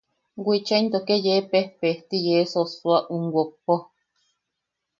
Wicha into ke yee pejpejti yee sossoa um wokpo.